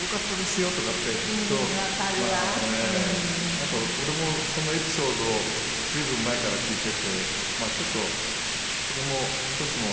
なんか俺もそのエピソードを随分前から聞いててちょっとそれも１つの親孝行かなみたいな。